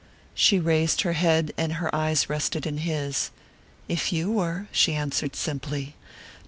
She raised her head and her eyes rested in his. "If you were," she answered simply.